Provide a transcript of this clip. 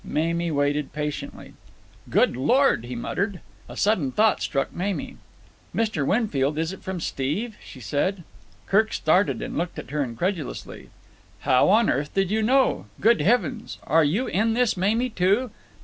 Mamie waited patiently. "Good Lord!" he muttered. A sudden thought struck Mamie. "Mr. Winfield, is it from Steve?" she said. Kirk started, and looked at her incredulously. "How on earth did you know? Good Heavens! Are you in this, Mamie, too?"